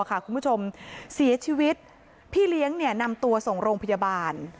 คุณผู้ชมเสียชีวิตพี่เลี้ยงนำตัวส่งโรงพยาบาล